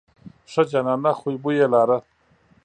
ښه جانانه خوی بوی یې لاره.